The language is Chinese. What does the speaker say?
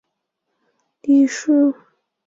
李梅树教授